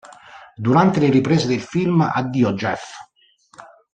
Durante le riprese del film "Addio Jeff!